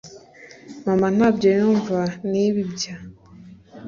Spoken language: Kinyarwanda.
mama ntabyo yumva n’ibi bya